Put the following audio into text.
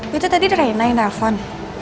itu tadi reina yang telfon